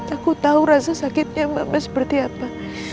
aku tahu rasa sakitnya mbak seperti apa